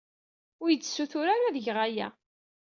Ur iyi-d-ssutur ara ad geɣ aya.